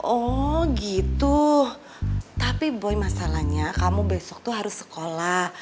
oh gitu tapi boy masalahnya kamu besok tuh harus sekolah